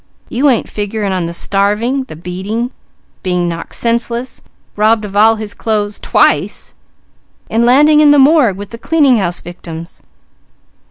You ain't figuring on the starving, the beating, being knocked senseless, robbed of all his clothes twice, and landing in the morgue with the cleaning house victims.